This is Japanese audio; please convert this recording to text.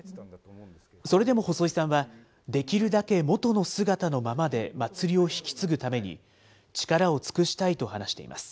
それでも細井さんはできるだけ元の姿のままで祭りを引き継ぐために、力を尽くしたいと話しています。